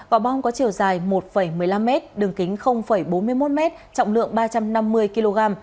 quả bom có chiều dài một một mươi năm m đường kính bốn mươi một m trọng lượng ba trăm năm mươi kg